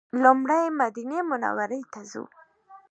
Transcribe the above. لومړی مدینې منورې ته ځو.